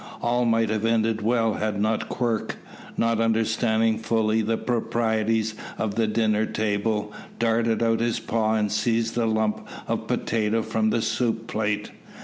All might have ended well had not Quirk, not understanding fully the proprieties of the dinner table, darted out his paw and seized a lump of potato from the soup plate.